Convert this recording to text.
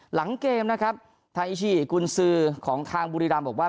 หลังเกมนะครับทาอิชิกุญซือของทางบุรีรำบอกว่า